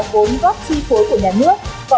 bốn góp chi phối của nhà nước